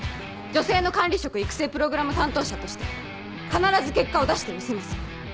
女性の管理職育成プログラム担当者として必ず結果を出してみせます。